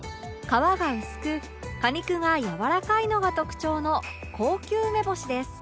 皮が薄く果肉がやわらかいのが特徴の高級梅干しです